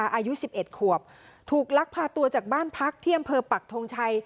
อายุสิบเอ็ดขวบถูกลักพาตัวจากบ้านพรรคเที่ยมเภอปักทงชัย